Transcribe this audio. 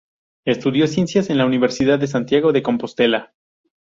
Estudió ciencias en la Universidad de Santiago de Compostela.